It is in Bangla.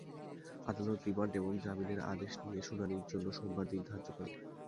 আদালত রিমান্ড এবং জামিনের আদেশ নিয়ে শুনানির জন্য সোমবার দিন ধার্য করেন।